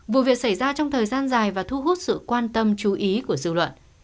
vụ việc xảy ra trong thời gian dài và thu hút sự quan tâm chú ý của dư luận